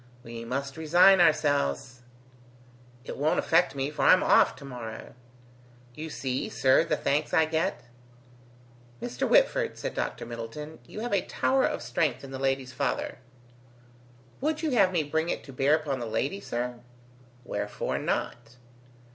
"We must resign ourselves." "It won't affect me, for I'm off to morrow." "You see, sir, the thanks I get." "Mr. Whitford," said Dr. Middleton, "You have a tower of strength in the lady's father." "Would you have me bring it to bear upon the lady, sir?" "Wherefore not?"